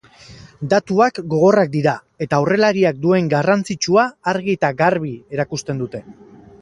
Datuak gogorrak dira eta aurrelariak duen garrantzitsua argi eta garbi erakusten dute.